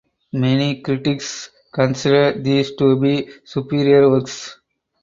Many critics consider these to be superior works.